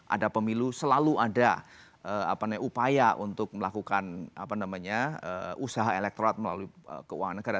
ada pemilu selalu ada upaya untuk melakukan usaha elektorat melalui keuangan negara